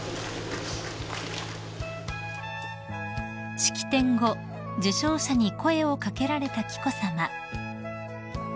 ［式典後受賞者に声を掛けられた紀子さま］